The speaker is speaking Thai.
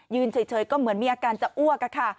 เฉยก็เหมือนมีอาการจะอ้วกค่ะ